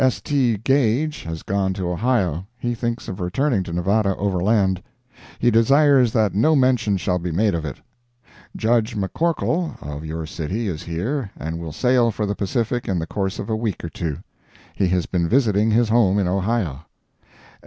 S. T. Gage has gone to Ohio. He thinks of returning to Nevada overland. He desires that no mention shall be made of it. Judge McCorkle of your city is here and will sail for the Pacific in the course of a week or two. He has been visiting his home in Ohio.